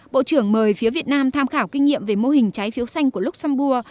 bộ trưởng mời phía việt nam tham khảo kinh nghiệm về mô hình trái phiếu xanh của luxembourg